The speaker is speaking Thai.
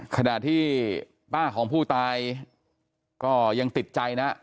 ขณะที่ป้าของผู้ตายก็ยังติดใจนะ